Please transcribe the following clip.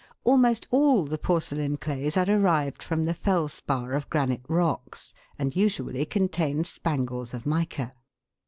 Almost all the porcelain clays are derived from the felspar of granite rocks, and usually contain spangles of mica.